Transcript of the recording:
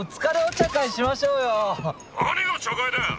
「何が茶会だよ！